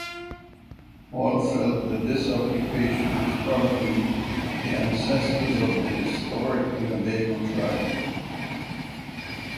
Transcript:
Hall felt that this occupation was probably the ancestors of the Historic Winnebago tribe.